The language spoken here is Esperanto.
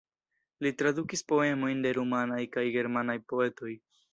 Li tradukis poemojn de rumanaj kaj germanaj poetoj.